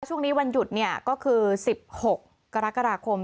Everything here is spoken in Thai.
ช่วงนี้วันหยุดเนี่ยก็คือ๑๖กรกฎาคม